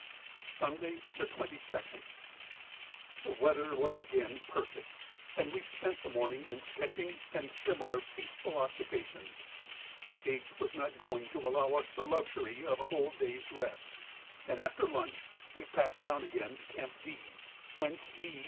Sunday, the 22nd.—The weather was again perfect, and we spent the morning in sketching and similar peaceful occupations, but H. was not going to allow us the luxury of a whole day's rest, and after lunch we packed down again to Camp D, whence E.